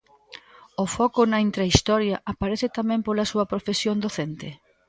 O foco na intrahistoria aparece tamén pola súa profesión docente?